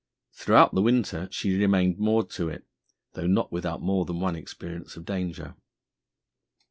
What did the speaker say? Throughout the winter she remained moored to it, though not without more than one experience of danger.